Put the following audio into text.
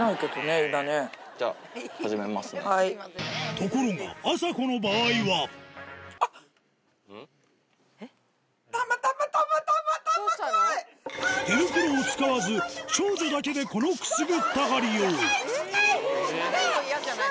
ところが手袋を使わず少女だけでこのくすぐったがり様近い！